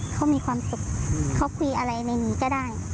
เขามีความสุขเขาคุยอะไรในนี้ก็ได้